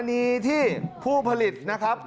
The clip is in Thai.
กรณีที่ผู้ผลิตนะครับ